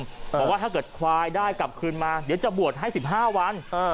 บอกว่าถ้าเกิดควายได้กลับคืนมาเดี๋ยวจะบวชให้๑๕วัน